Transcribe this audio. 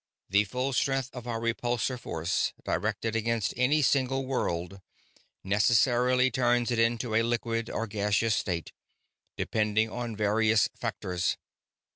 The full strength of our repulsion force directed against any single world necessarily turns it into a liquid or gaseous state depending on various factors.